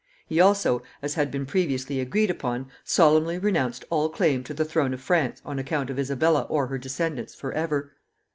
He also, as had been previously agreed upon, solemnly renounced all claim to the throne of France on account of Isabella or her descendants, forever.